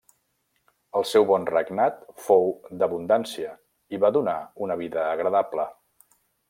El seu bon regnat fou d'abundància i va donar una vida agradable.